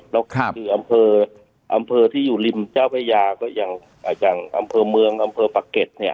แล้วคืออำเภออำเภอที่อยู่ริมเจ้าพระยาก็อย่างอำเภอเมืองอำเภอปะเก็ตเนี่ย